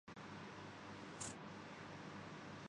ہاں مگر تھوڑی نفاست سے تُم آؤجاؤ